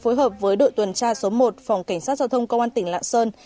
phối hợp với đội tuần tra số một phòng cảnh sát giao thông công an tỉnh lạng sơn